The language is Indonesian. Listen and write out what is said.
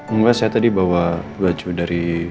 enggak saya tadi bawa baju dari